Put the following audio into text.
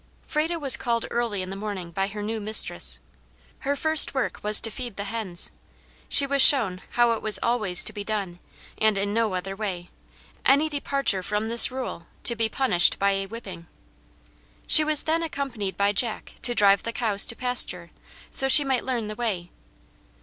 Frado was called early in the morning by her new mistress. Her first work was to feed the hens. She was shown how it was ALWAYS to be done, and in no other way; any departure from this rule to be punished by a whipping. She was then accompanied by Jack to drive the cows to pasture, so she might learn the way.